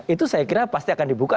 itu saya kira pasti akan dibuka